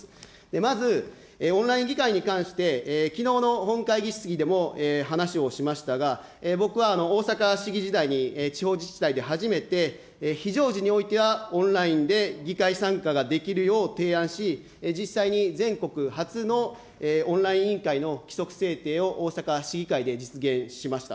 まずオンライン議会に関して、きのうの本会議質疑でも、話をしましたが、僕は大阪市議時代に地方自治体で初めて、非常時においては、オンラインで議会参加ができるよう提案し、実際に全国初のオンライン委員会の規則制定を、大阪市議会で実現しました。